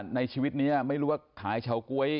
ในชีวิตนี้ไม่รู้ว่าขายเฉาก๊วย